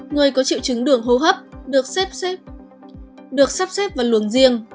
người có triệu chứng đường hô hấp được sắp xếp vào luồng riêng